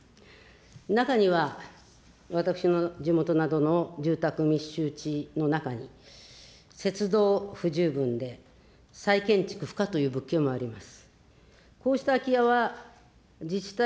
中には、私の地元などの住宅密集地の中に、不十分で再建築不可という物件もあります。